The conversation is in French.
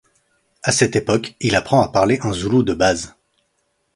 À cette époque, il apprend à parler un zoulou de base.